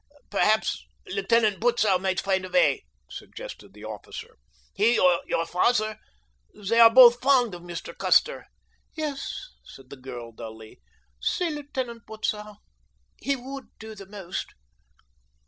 "Perhaps Lieutenant Butzow might find a way," suggested the officer. "He or your father; they are both fond of Mr. Custer." "Yes," said the girl dully, "see Lieutenant Butzow—he would do the most."